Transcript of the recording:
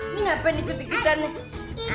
ini ngapain ikut ikutannya